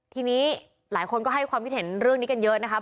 ทีนี้หลายคนก็ให้ความคิดเห็นเรื่องนี้กันเยอะนะครับ